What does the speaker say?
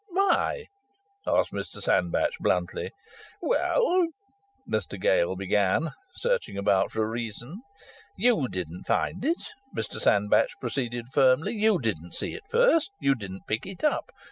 "Why?" asked Mr Sandbach, bluntly. "Well," Mr Gale began, searching about for a reason. "You didn't find it," Mr Sandbach proceeded firmly. "You didn't see it first. You didn't pick it up.